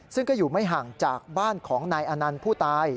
ซึ่งก็อยู่ไม่ห่างจากบ้านของนายอนันต์ผู้ตาย